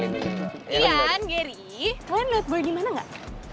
iyan geri lo mau liat boy dimana gak